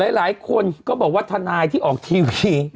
หลายคนก็บอกว่าทนายที่ออกทีวี